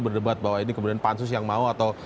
berdebat bahwa ini kemudian pansus yang mau atau